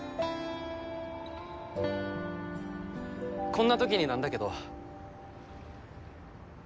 こんな時になんだけど。